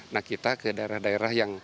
nah kita ke daerah daerah yang